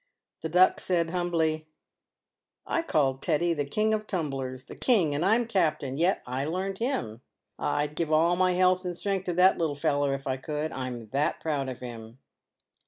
The Duck said humbly, " I called Teddy the King of Tumblers — the King, and I'm Capten — yet I learned him. Ah ! I'd give all my health and strength to that little feller if I could, I'm that proud of him."